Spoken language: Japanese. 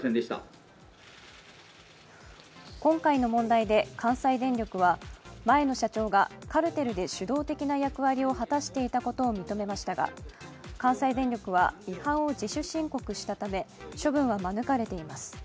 今回の問題で関西電力は前の社長がカルテルで主導的な役割を果たしていたことを認めましたが関西電力は違反を自主申告したため処分は免れています。